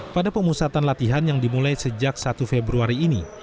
pada pemusatan latihan yang dimulai sejak satu februari ini